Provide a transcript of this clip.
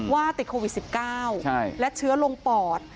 ว่าติดโควิด๑๙และเชื้อลงปอด